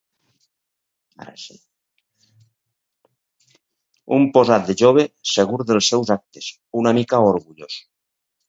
Un posat de jove segur dels seus actes, una mica orgullós.